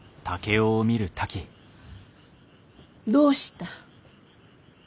どうした？